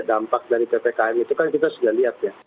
dampak dari ppkm itu kan kita sudah lihat ya